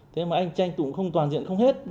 thế mà anh tranh tụng không toàn diện không hết